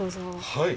はい。